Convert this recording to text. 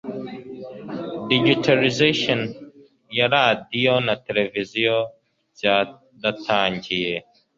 digitalization ya radio na television byaratangiye